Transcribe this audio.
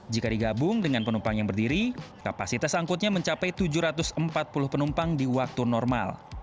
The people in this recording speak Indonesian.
jika digabung dengan penumpang yang berdiri kapasitas angkutnya mencapai tujuh ratus empat puluh penumpang di waktu normal